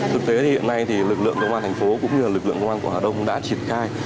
thực tế thì hiện nay thì lực lượng công an thành phố cũng như lực lượng công an của hà đông đã triển khai